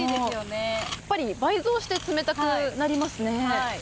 やっぱり倍増して冷たくなりますね。